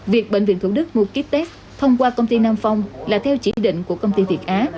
việc bệnh viện thủ đức mua kýt test thông qua công ty nam phong là theo chỉ định của công ty việt á